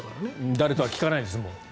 誰とはもう聞かないです。